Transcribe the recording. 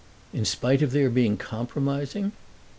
"In spite of their being compromising?"